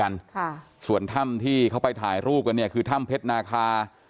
กันค่ะส่วนถ้ำที่เขาไปถ่ายรูปกันเนี่ยคือถ้ำเพชรนาคา